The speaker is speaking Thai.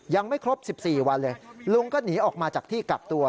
ยังไม่ครบ๑๔วันเลยลุงก็หนีออกมาจากที่กักตัว